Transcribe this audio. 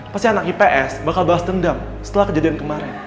pasti anak ips bakal bahas dendam setelah kejadian kemarin